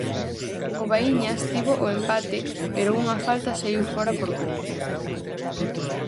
O Baíñas tivo o empate pero unha falta saíu fóra por pouco.